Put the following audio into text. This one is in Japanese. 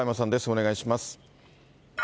お願いします。